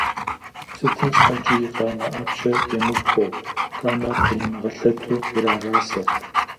Сытым щхьэкӀи и къамэ Ӏэпщэ емыпхъуэу, къамэр къримыгъэлъэту ирагъасэрт.